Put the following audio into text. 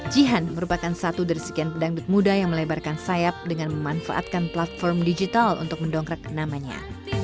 jihan merupakan satu dari sekian pedangdut muda yang melebarkan sayap dengan memanfaatkan platform digital untuk mendongkrak namanya